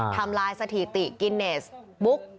ทำหลายสถิติย์กิเนสบุ๊ค